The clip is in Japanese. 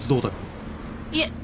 いえ